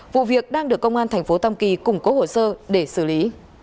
vụ việc đang được công an thành phố tam kỳ củng cố hồ sơ để xử lý